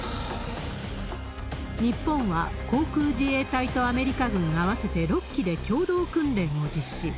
日本は、航空自衛隊とアメリカ軍、合わせて６機で共同訓練を実施。